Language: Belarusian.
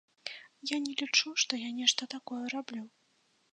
Я не лічу, што я нешта такое раблю.